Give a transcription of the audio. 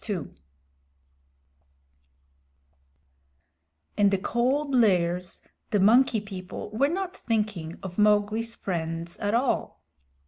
In the Cold Lairs the Monkey People were not thinking of Mowgli's friends at all.